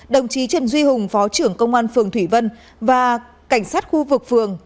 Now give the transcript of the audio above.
đồng chí trần duy hùng phó trưởng công an phường thủy vân và cảnh sát khu vực phường